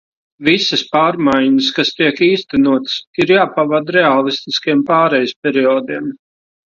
Visas pārmaiņas, kas tiek īstenotas, ir jāpavada reālistiskiem pārejas periodiem.